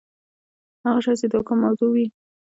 هغه شی چي د حکم موضوع وي.؟